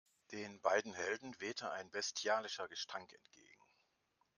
Den beiden Helden wehte ein bestialischer Gestank entgegen.